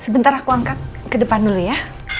sebentar aku angkat ke depan dulu ya